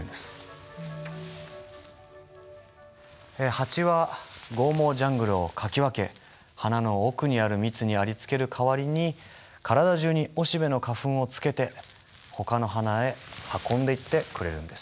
ハチは剛毛ジャングルをかき分け花の奥にある蜜にありつける代わりに体中におしべの花粉をつけてほかの花へ運んでいってくれるんです。